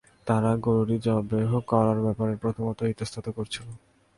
তারা গরুটি যবেহ করার ব্যাপারে প্রথমত ইতস্তত করছিল।